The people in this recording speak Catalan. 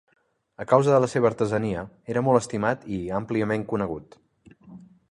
A causa de la seva artesania, era molt estimat i àmpliament conegut.